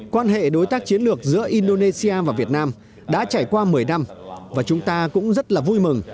quan hệ đối tác chiến lược giữa indonesia và việt nam đã trải qua một mươi năm và chúng ta cũng rất là vui mừng